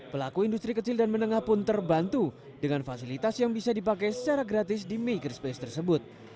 pelaku industri kecil dan menengah pun terbantu dengan fasilitas yang bisa dipakai secara gratis di magherspace tersebut